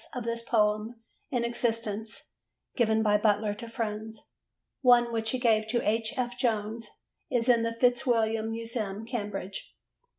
of this poem in existence given by Butler to friends: one, which he gave to H. F. Jones, is in the Fitzwilliam Museum, Cambridge.